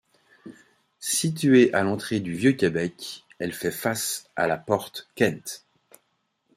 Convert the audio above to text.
Située à l'entrée du Vieux-Québec, elle fait face à la porte Kent.